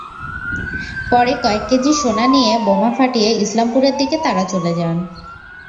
পরে কয়েক কেজি সোনা নিয়ে বোমা ফাটিয়ে ইসলামপুরের দিকে তাঁরা চলে যান।